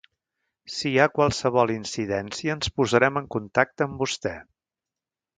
Si hi ha qualsevol incidència ens posarem en contacte amb vostè.